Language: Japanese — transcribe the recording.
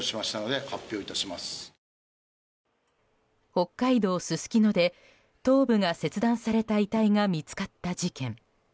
北海道すすきので頭部が切断された遺体が見つかった事件。